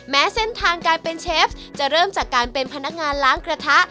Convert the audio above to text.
แม้เส้นทางการเป็นเชฟจะเริ่มจากการเป็นพนักงานล้างกระทะ